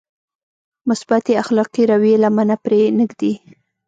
مثبتې اخلاقي رويې لمنه پرې نهږدي.